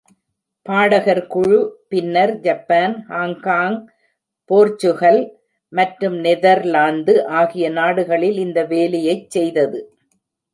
பாடகர் குழு பின்னர் ஜப்பான், ஹாங்காங், போர்ச்சுகல் மற்றும் நெதர்லாந்து ஆகிய நாடுகளில் இந்த வேலையைச் செய்தது.